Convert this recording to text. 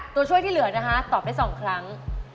ตัวช่วยที่เหลือนะคะตอบได้๒ครั้ง